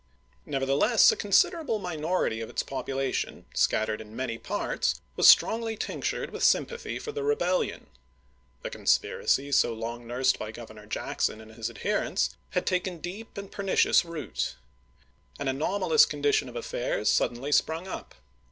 Nevertheless a considerable minority of its pop ulation, scattered in many parts, was strongly tinctured with sympathy for the rebellion. The conspiracy so long nursed by Grovernor Jackson and his adherents had taken deep and pernicious root. An anomalous condition of affairs suddenly sprung up.